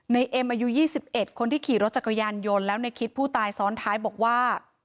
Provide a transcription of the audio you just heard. เอ็มอายุ๒๑คนที่ขี่รถจักรยานยนต์แล้วในคิดผู้ตายซ้อนท้ายบอกว่า